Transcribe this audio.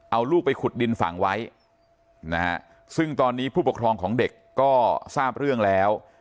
เอาลูกไปขุดดินฝังไว้นะฮะซึ่งตอนนี้ผู้ปกครองของเด็กก็ทราบเรื่องแล้ว